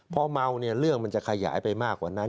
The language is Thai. พอเมาเนี่ยเรื่องมันจะขยายไปมากกว่านั้น